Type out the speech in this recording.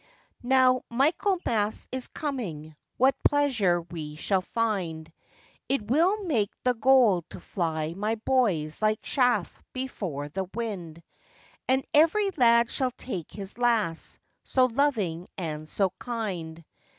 Now Michaelmas is coming,—what pleasure we shall find; It will make the gold to fly, my boys, like chaff before the wind; And every lad shall take his lass, so loving and so kind.